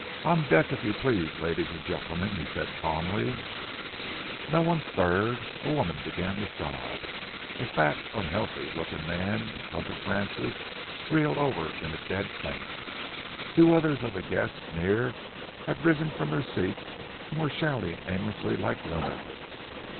"On deck, if you please, ladies and gentlemen," he said calmly. No one stirred. A woman began to sob. A fat, unhealthy looking man in front of Francis reeled over in a dead faint. Two other of the guests near had risen from their seats and were shouting aimlessly like lunatics.